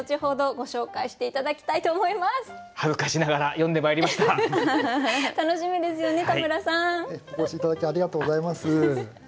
お越し頂きありがとうございます。